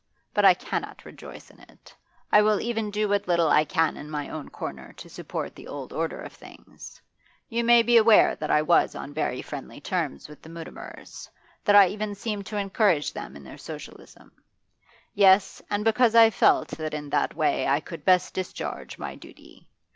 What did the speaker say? But I cannot rejoice in it; I will even do what little I can in my own corner to support the old order of things. You may be aware that I was on very friendly terms with the Mutimers, that I even seemed to encourage them in their Socialism. Yes, and because I felt that in that way I could best discharge my duty.